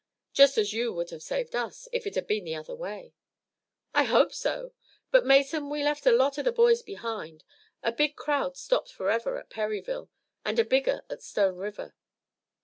"Just as you would have saved us, if it had been the other way." "I hope so. But, Mason, we left a lot of the boys behind. A big crowd stopped forever at Perryville, and a bigger at Stone River."